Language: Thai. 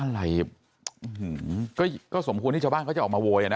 อะไรก็สมควรที่ชาวบ้านเขาจะออกมาโวยอ่ะนะ